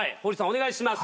お願いします。